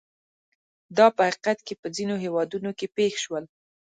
دا په حقیقت کې په ځینو هېوادونو کې پېښ شول.